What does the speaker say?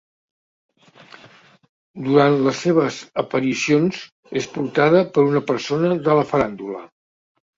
Durant les seves aparicions, és portada per una persona de la faràndula.